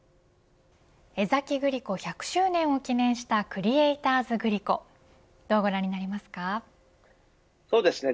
江崎グリコ１００周年を記念したクリエイターズグリコどうご覧になりますか。